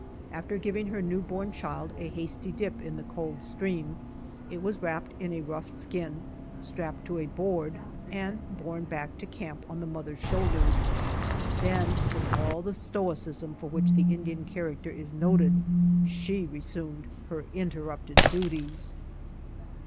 After giving her new born child a hasty dip in the cold stream, it was w^rapped in a rough skin, strapped to a board and borne back to camp on the mother's shoulders. Then with all the stoicism for which the Indian character is noted, she resumed her inter rupted duties.